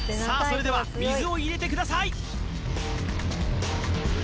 それでは水を入れてください